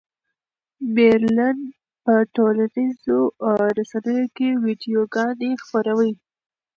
مېرلن په ټولنیزو رسنیو کې ویډیوګانې خپروي.